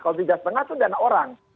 tiga lima kalau tiga lima itu dana orang